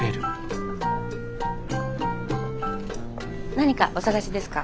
何かお探しですか？